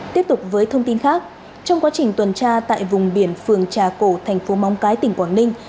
tiếp tục với thông tin khác trong quá trình tuần tra tại vùng biển phường trà cổ thành phố móng cái tỉnh quảng ninh